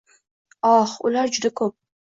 Oh, ular juda ko’p